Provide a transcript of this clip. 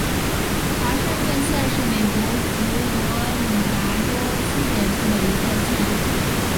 华盛顿县是美国佛罗里达州西北部的一个县。